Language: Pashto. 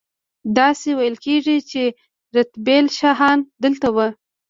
داسې ویل کیږي چې رتبیل شاهان دلته وو